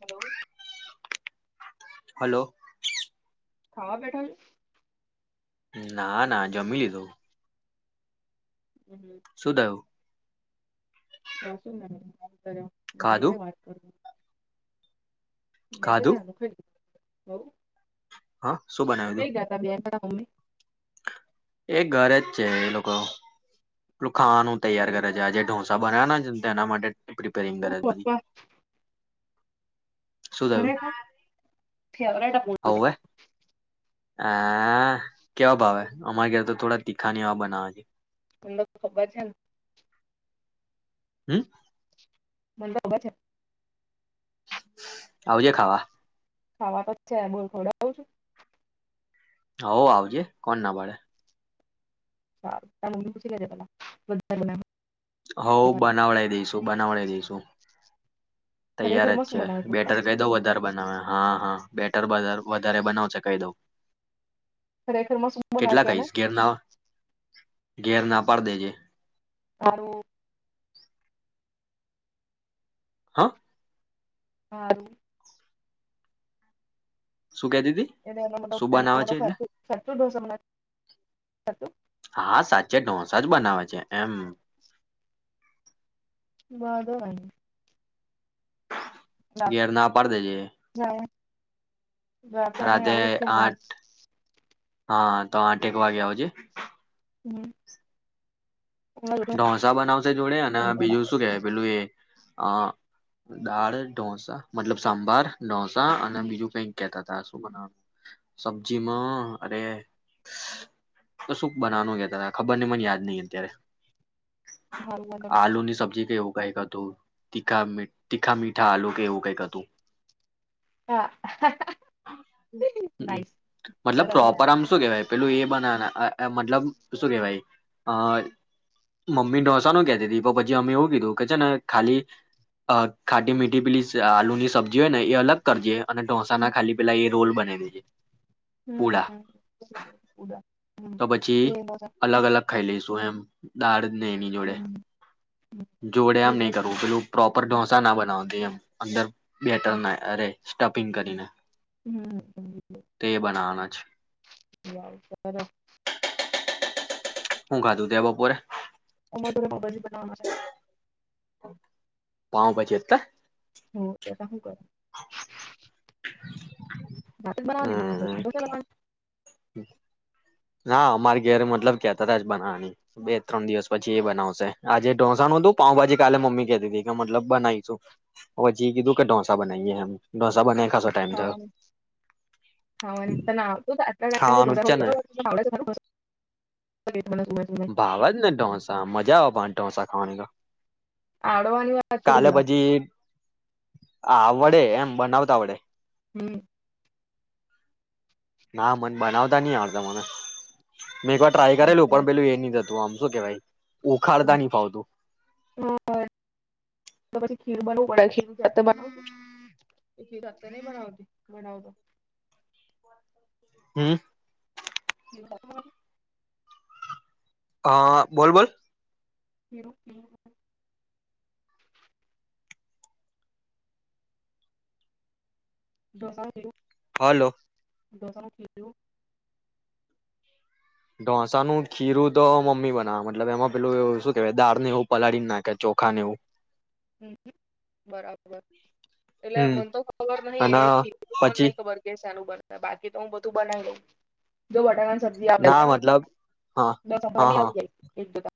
Hello. Hello. ખાવા બેઠા છે. ના ના જમી લીધું. હમ, શુંદયું. કશું નહીં ફોન કર્યો મેં કીધું ખાધું લાય મે તો ખાધું [unintelligible] ડી. હ ઓ હા શું બનાવ્યું તું. સમમ. એ ઘરે જ છે એ લોકો. ખાનું તૈયાર કરે છે આજે ઢોસા ત બન્યા છે એના માટે. એપડી ઓ પરીંગર બધી. પપ્પા, શું થયું. ફેવરાટા [unintelligible] ણે. હ કેવા ભાવે અમારા ઘેરે તો થોડા તીખાની એવા બનાવે છે. તમને તો ખબર છે ને. હમ. મને તો ખબર છે. આવજે ખાવા ખાવા તો જ છે બોલ ખોડ આવ છું. હો આવજે કોણ ના બાડે ચ ત પૂછી લેજે પેલા બ હઉ બનાવડા દઈશું બનાવડા દઈશું. તૈયાર ખરેખર જ મસ્ત છે બનાવે બેટર કહી દઉ વધારે બનાવે હા હા બેટ [unintelligible] વધારે બનાવ છે કાયદો. ખરેખર માં શુંમ નાખ્યા ને. ઘેર ના ઘેર ના પાડ દેજે. હારું હા. હા. શું કેતી હતી શું બનાવે છે એટલે [unintelligible] [unintelligible] હા સાચે ઢોસા જ બનાવે છે એમ. [unintelligible] ઘેર ના પાડ દેજે. રાતે મેં આવું છે વ હા તો આઠટેક વાગે આવજે. હમ્મ ઢોસા બનાવશે જોડે અને બીજું શું કે પેલું એ અ દાળ ઢોસા મતલબ સાંભાર. ડોસા અને બીજું પૈઈક કેતા તા શુ બનું સબ્જીમાં અરે તો શું બનાવાનું ગ તારા ખબર ને મને યાદ નહ અત્યારે. હારું વાંધો નઈ આલુ ની સબ્જી કેવું. કઈક હતું, તીખા મી તીખા મીઠા આલુ કે એવું કઈક હતું. હા હમ્મ, નાઈસ મતલબ સરસ પ્રોપર આમ શું કેવાય પેલું એ બનાના અહ-અહ મતલબ શું કહેવાય અહ મમ્મી ઢોસા નું કેતી તી તો પછી અમે એવું કીધું કે છે ને ખાલી અહ ખાટી મીઠી પીલી સ આલુ ની સબ્જી હોય ને ઈ અલગ કરજે અને ઢોસા હમ ના ખાલી પેલા એ રોલ બનાઈ દેજે. પુડા, તો પછી અલગ-અલગ ખાઈ લઈશ તું એમ દાળ ને એની જોડે, જોડે આમ નહી કરું, પેલું પ્રોપરો ઢોસ [unintelligible] ના બનાવતી એમ અંદર બેટર ના અરે સ્ટપિંગ કરીને. હમ્મ-હમ્મ-હમ્મ. તે [inaudible] તો બરાબર છે. હું ખાધું તે બપોરે? પાઉંભાજી હતા? [inaudible] હમ [inaudible] [inaudible] નાાઅમારી ઘેરે મતલબ કેતા તાા જ બનાવવાની, બે ત્રણ દિવસ પછી એ બનાવશે. આજે ઢોસા નું હતું, પાઉંભાજી કાલે મમ્મી કેતી તી કે મતલબ બનાઈશું. પછી કીધું કે ઢોસા બનાઈએ એમ. ઢોસા બનાઈ [inaudible] ખાવાનું જ છે ને [inaudible] ભાવજ ને ઢોસા, મજા આવે પણ ઢોંસા ખાવાની તો. કાલે પછી [inaudible] આવડે એમ બનાવતા આવડે હમ્મ. ના મન બનાવતા નઈ આવડતા મને. મેં એકવાર ટ્રાય કરેલું પણ પેલું એ નઈ થતું આમ શું કેવાય? છું ઉખાડતા ની ફાવતું. હમ તો પછી ખીર બનવું, પડે ખીરૂ જાતે બનાવવું [unintelligible] હમ્મ. [inaudible] અહ બોલ-બોલ. ખીરું-ખીરું [inaudible] ઢોસાનું ખીરું હાલો. ઢોંસાનુ ખીરું [unintelligible] ઢોસા નું ખીરું તો મમ્મી બનાવ મતલબ એમાં પેલું એવું શું કેહેવાય દાળ ને એવું પલાળીને નાખે ચોખા ને એવું. હમ બરાબર, એટલે હમ મન તો ખબર નહિ અને એ ખીરૂ મને પછી નહી ખબર કે શેનું બને. બાકી તો હું બધું બનાવી દઉં, જો બટાકા સબ્જી આવેડે ના બરાબર મતલબ હા હા આવડી હા જાય એક [unintelligible]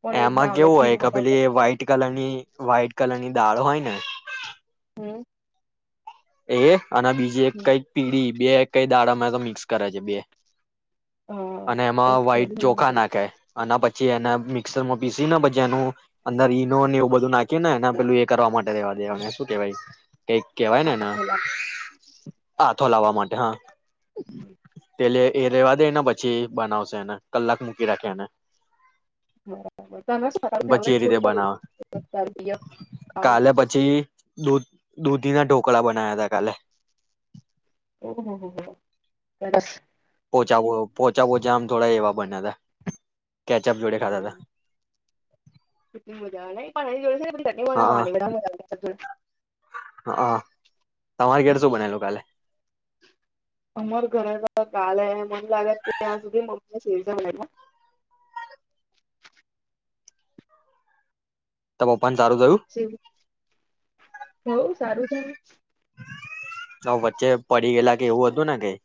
પણ એજ એમાં ના આવડે કેવું હોય ખીરું ક બનાવતા પેલી ના આવડે વ્હાઈટ કલર ની વ્હાઈટ કલર ની દાળ હોય ને. હમ્મ. એ અને બીજી એક કઈક પીડી બે કઈ દાડામાં તો મિક્સ કરે છે બે. અને એમાં વ્હાઈટ ચોખા નાખે અને પછી પછી એના મિક્સરમાં પીસી ને પછી એનું, અંદર ઈનો ને એવું બધું નાખી ને એને પેલું એ કરવા માટે રેવા દેવાને શું કેહેવાય. કઈક કેવાય ને એને. ભલા. થો લાવવા માટે હા. પેલે એ રેવા દેને પછી બનાવશે એને કલાક મૂકી રાખ એને. બરાબર પછી એ તમને રીતે બનાવે [inaudible] ફૂડ કયું [inaudible] દૂધીના ઢોકળા બન નાયાતા કાલે. ઓ-હો-હો-હો-હો સરસ. પોચા વો પોચા-પોચા આમ થોડા એવા બનાયવા. કેચઅપ જોડે ખાધા તા. [inaudible] મજા આવે નઈ હા [inaudible] [inaudible] હાઅં. તમારી ઘેરે શું બનેલું કાલે? અમારું ઘરે તો કાલે મન લાગે છે સુધી તો મમ્મીએ [unintelligible] બનાયવા. [unintelligible] પણ સારું થયું? હોવ સારું છેને. તો વચ્ચે પડી ગયેલા કે એવું હતું ને કઈ?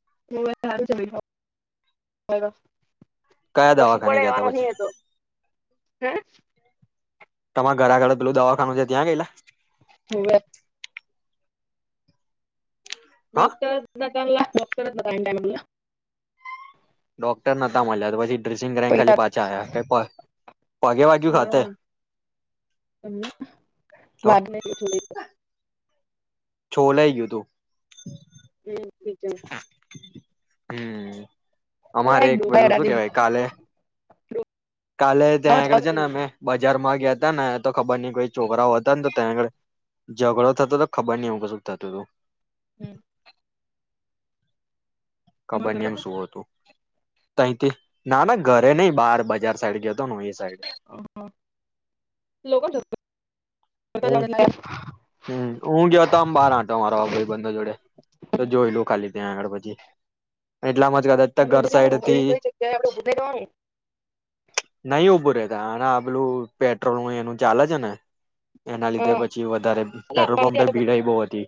[inaudible] કયા દવાખાને ગયા તા કશું પછી [inaudible] તમારે ઘરે આગળ પેલું દવાખાનું છે ત્યાં ગયેલા? [unintelligible] હા ડોક્ટર [unintelligible] [inaudible] ડોક્ટર નતા મયલા તો પછી ડ્રેસિંગ કરાઈને ખાલી પાછા આવ્યા પગે વાગ્યું ખાતે તો [inaudible] છોલાઈ ગયું તું. [inaudible] હમ્મ. અલા અમારે એક ડોહા પેલું અડા શું દે ડોહા કેવાય કાલે-કાલે ત્યાં આગળ ચાલતો છે ને નહી. અમે બજાર માં ગયા તા ને તો ખબર નઈ કોઈ છોકરાઓ હતા ને તેણ ઝઘડો થતો તો ખબર નહી હું એવું કશું થતું તું. હમ્મ. ખબર નહીં ઘરે એમ તો શું હતું. તહી કે ના-ના ઘરે નહી, બહાર બજાર સાઈડ ગયો તો ને હું ઈ સાઈડ. હા લોકો જતા જાવે લાગે હમ્મ-હમ્મ, હું ગયો તો આમ બહાર આટો મારવા ભાઈબંધો જોડે, તો જોઈ લઉ ખાલી ત્યાં આગળ પછી. એટલા માજ આપણે ઘર ઉભી રહેવાનું કોઈ સાઈડથી, કોઈ જગ્યાએ આપણે ઉભી રહેવાનું નહી ઉભું રહે. દાણા આેલું પેટ્રોલ ન એનું ચાલે છે ને. એના અ લીધે પછી વધારે અલા પેટ્રોલ પાછે પંપે આટો ભીડાઈ બહ હતી,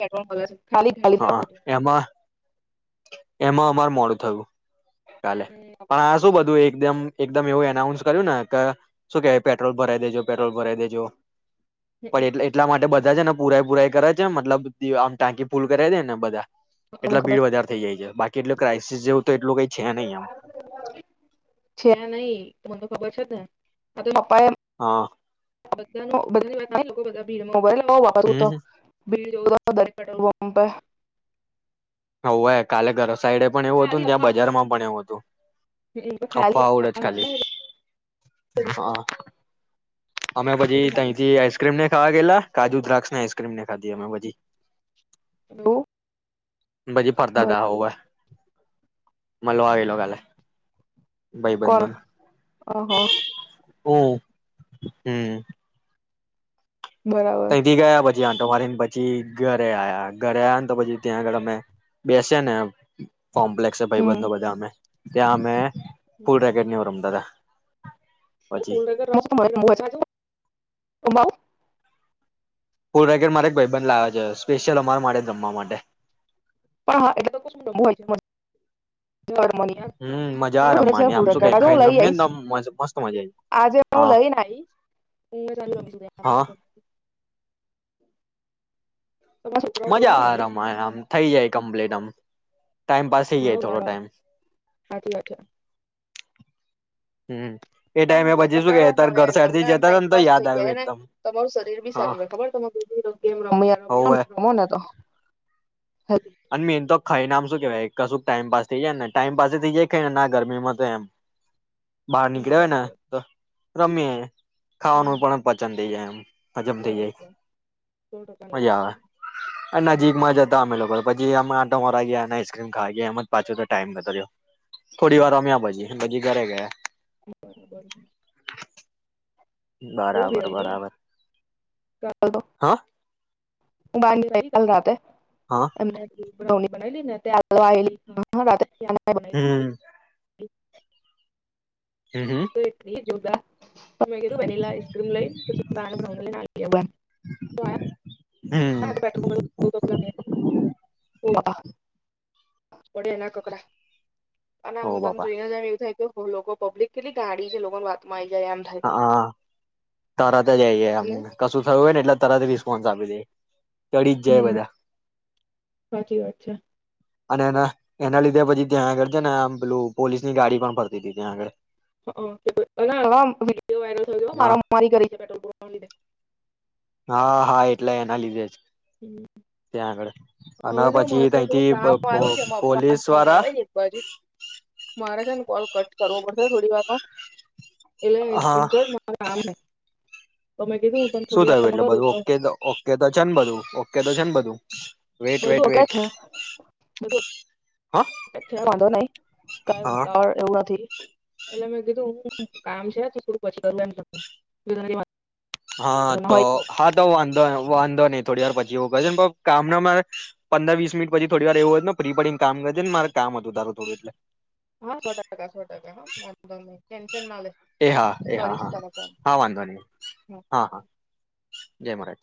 પેટ્રોલ બગાડે છે ખાલી ખાલી જા હા બધું. એમાં એમાં અમાર મોડું થયું. કાલે પણ આ શું બધું એકદમ એકદમ એવું એનાઉન્સ કર્યું ને, કે શું કેવાય પેટ્રોલ ભરાઈ દેજો પેટ્રોલ ભરાઈ દેજો. હમ પણ હમ એટ એટલા માટે બધા ને પુરાય પુરાઈ કરે છે મતલબ આમ ટાંકી ફૂલ કરાવ દે ને બધા, અમને એટલા ખબર ભીડ વધારે થઈ જાય છે બાકી- કેટું ક્રાઈસ જેવું તો એલું છે નહી, મને ખબર છે ને. [unintelligible] હા. બદલા બદની વાત લોકો બધા ભીડમાં મોબાઈલ [unintelligible] વાપરું તો હમ બ [unintelligible] દારે પેટ્રોલ પંપ એ [unintelligible] હવું કાલે ગર સાઈડે પણ પર એવું હતું ખાલી ને ત્યાં અફવા બજાર માં પણ એવું હતું. ખાલી અફ્ફા આવડેજ અફવા હતી ને ખાલી, એવું હા. અમે પછી તંથી આઈસક્રીમ ને ખાવા ગયેલા, કાજુ દ્રાક્ષ ને આઈ ક્રીમને ખાધી અમે ભજી હું. બાજી પરદાદા હોવે મલો આવીલો કાલે કોણ, ઓહો ઓ, હમ્મ. બરાબર. ત્યાં આટો મારી ને પછી ઘરે આ્યા. ઘરે આ્યા ને તો પછી ત્યાં આગળ અમે બેસિયાને કોમ્પ્લેક્સ છે, ભાઈ હમ્મ બંધો બધા અમે ત્યાં અમે ફુલ રેકેટને એવું રમતા હતા. પછી [unintelligible] ફૂલ રેકેટ મારો એક ભાઈબંધ લાયો છે, સ્પેશિયલ અમારા માટે, રમવા માટે પણ હા એટલે તો કુ શું નમું હોય છે મ [unintelligible] મ હમ મજા ફ રમવાની હું આમ શું કે ખાઈને લઈ રમીએ ને આઈશ આમ મસ્ત મજા આવી. આજે હું હા લઈનેશ હા [unintelligible] છોકરાઓ જોડે મજા નહી આ આઈએ રમા આમ. થઇ જાય કમ્પ્લેટ આમ. ટાઈમ પાસ થઈ હા જાય થોડો ટાઈમ. સાચી વાત છે હમ. એ આમ ટાઈમે પછી શું કે ઘટાડવા ના તાર આવે ઘર એમ સાઈડ તમને થી આમ જતા હતા ને તો ટાઈમપાસ યાદ થઈ આવ્યું જાય, ને એકદમ તમારું શરીર બી હા સારું રહે ખબર તમેમ રમ રમને હોવે રમો ને તો. હમ. અને મેન તો ખાઈને આમ શું કેવાય કશું ટાઈમ પાસ થઇ જાય ને ટાઈમ પાાસ થઈ જાય ખ ને ના ગરમીમાં તો એમ. બહાર સો નીકળ્યા હોય ને તો. રમ્યા. ખાવાનું પણ પચન તે જ એમ. હજમ થઇ જાય, ટકા સો ટકાની વાત મજા છે. આવે, નજીક હમ. માં જતા અમે લોકો. પછી અમે આટો મ મારા ગયા અને આઈસક્રીમ ખાઈ ગયા એમમાં પાછો તો ટાઈમ જતો રહ્યો. થોડી વાર રમ્યા પછી. પછી ઘરે ગયા. બરાબર છે. [inaudible] બહુ બરાબર ભીડ હતી ને બરાબર, હા. બાંધ [unintelligible] ચલતે હા એમના બનાની બનાઈ લીને ત લ [unintelligible] હમ. હમ એટલી જોરદાર વલાઈસ્મ હમ લ [unintelligible] ઓડ એના કપડા. અને ઓ આમ તમને બાપા જોઈને જાવ એવું થાય લોકો પબ્લિક કેટલી ગાડી છે લોકોને વાતમાં આવી છે. હા, તરત જઈમ કશું થયું હોય ને એટલે તરત વિ ફ સા આપી દે. ચડી જ જાય હમ બધા સાચી વાત છે. અને એના એના લીધે પછી ત્યાં આગળ છે ને આમ પેલું પોલીસની ગાડી પણ ફરતી હતી ત્યાં આગળ. હ હ ના આમ વિડીયો વાયરલ થયો હા મારા મારી કરી છે પેટ્રોલ લીધે હા હા એટલે એના લીધે છે. હ અને જો પછી મારે તઈથી પ કામ પો આવ્યું છે એમાં પપ્પાને પોલીસ ફોન વાળા આવે છે એક બાજુ મારે છે ને કોલ કટ કરવો પડશે થોડી વારમાં એટલે એ કે હા એજોડ મા આમ તોમે શું થયું એટલે બધું ઓકે તો ઓકે તો છે ને બધું ઓકે તો છે ને બધું વેટ બધું વેટ ઓ કે વેટ છેું બધુ હા છે વાંધો નહી કઈ હા ઉતાળ એવું નથી એટલે મેં કીધું હું કામ છે થોડું પછી કરું એમ હા તમને તો, હોય હા તો વાંધો વાંધો નહી થોડી વાર પછી હું મિનિમમ કામ ના મારે પંદર વીસ મિનિટ પછી થોડી વાર એવું હોત ને ફ્રી પડીને કામ [unintelligible] મારે કામ હતું તારું થોડું એટલે. હા સો ટકા સો ટકા કરુ હ એ હા એ હા હા હા, વાંધો નય હા હા જય મહારાજ.